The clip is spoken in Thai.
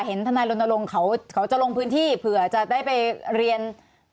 เห็นท่าน่ารนตรงเขาจะลงพื้นที่หลีกไปขอเรียน